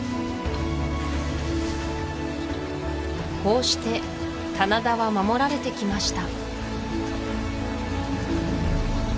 こうして棚田は守られてきました